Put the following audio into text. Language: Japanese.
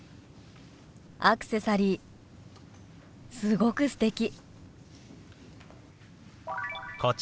アクセサリーすごくすてき」。